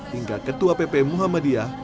dan juga ketua pp muhammadiyah